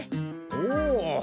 おお！